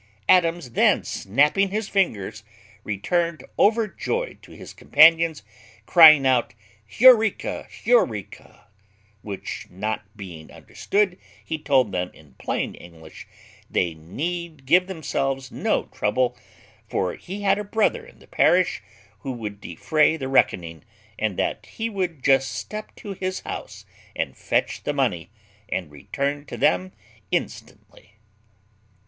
Adams then snapping his fingers returned overjoyed to his companions, crying out, "Heureka, Heureka;" which not being understood, he told them in plain English, "They need give themselves no trouble, for he had a brother in the parish who would defray the reckoning, and that he would just step to his house and fetch the money, and return to them instantly."